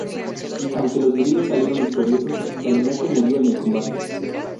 Aunque los griegos salieron victoriosos, Calímaco murió en el combate.